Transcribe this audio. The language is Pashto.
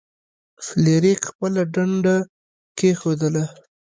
فلیریک خپله ډنډه کیښودله.